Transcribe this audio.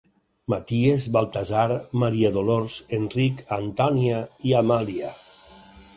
Maties, Baltasar, Maria Dolors, Enric, Antònia i Amàlia.